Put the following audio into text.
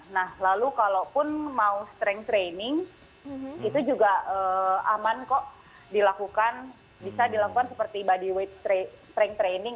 nah lalu kalaupun mau strength training itu juga aman kok dilakukan bisa dilakukan seperti body strength training